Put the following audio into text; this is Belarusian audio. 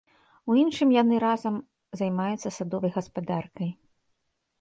У іншым яны разам займаюцца садовай гаспадаркай.